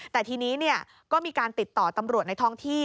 แต่ทีนี้ก็มีการติดต่อตำรวจในท้องที่